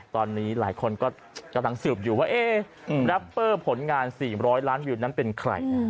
ตอนนี้หลายคนก็กำลังสืบอยู่ว่าแรปเปอร์ผลงาน๔๐๐ล้านวิวนั้นเป็นใคร